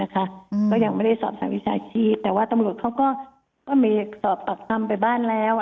ก็ยังไม่ได้สอบถามทางวิชาชีพแต่ว่าตำรวจเขาก็มีสอบปากคำไปบ้านแล้ว